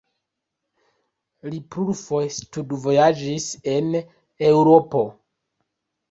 Li plurfoje studvojaĝis en Eŭropo.